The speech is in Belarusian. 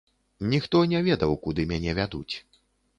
Ніхто не ведаў, куды мяне вядуць.